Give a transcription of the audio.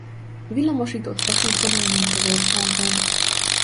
Villamosított vasútvonal nincs az országban.